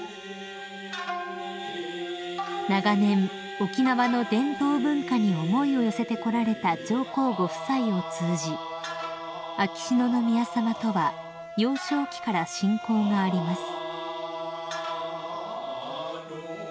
［長年沖縄の伝統文化に思いを寄せてこられた上皇ご夫妻を通じ秋篠宮さまとは幼少期から親交があります］